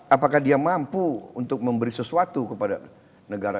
apakah dia mampu untuk memberi sesuatu kepada negara